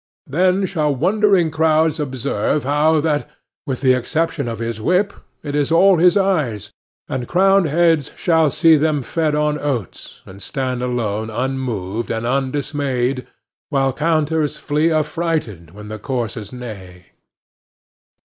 Then, shall wondering crowds observe how that, with the exception of his whip, it is all his eye; and crowned heads shall see them fed on oats, and stand alone unmoved and undismayed, while counters flee affrighted when the coursers neigh!